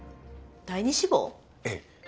ええ。